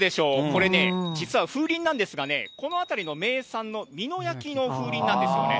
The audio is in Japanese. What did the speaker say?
これね、実は風鈴なんですがね、この辺りの名産の美濃焼の風鈴なんですよね。